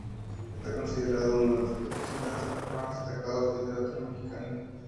Está considerado uno de los cuentistas más destacados de la literatura mexicana.